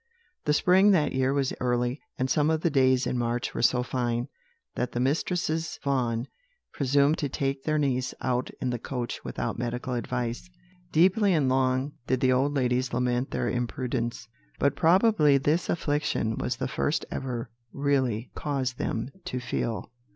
"The spring that year was early, and some of the days in March were so fine, that the Mistresses Vaughan presumed to take their niece out in the coach without medical advice. Deeply and long did the old ladies lament their imprudence; but probably this affliction was the first which ever really caused them to feel.